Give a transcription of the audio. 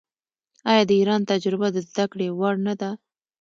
آیا د ایران تجربه د زده کړې وړ نه ده؟